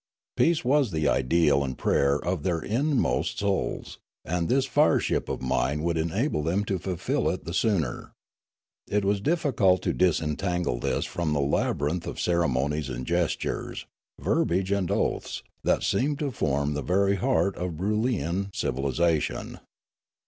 Peace was the ideal and prayer of their inmost souls, and this fireship of mine would enable them to fulfil it the sooner. It was diffi cult to disentangle this from the labyrinth of ceremonies and gestures, verbiage and oaths, that seemed to form the very heart of Broolyian civilisation.